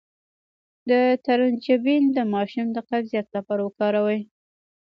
د ترنجبین د ماشوم د قبضیت لپاره وکاروئ